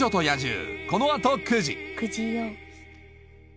９時よ